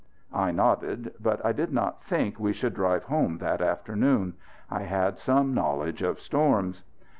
I nodded. But I did not think we should drive home that afternoon. I had some knowledge of storms.